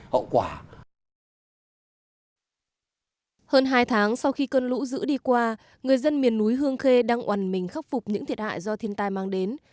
hơn hai tháng sau khi cơn lũ dữ đi qua người dân miền núi hương khê đang oàn mình khắc phục những thiệt hại do thiên tai mang đến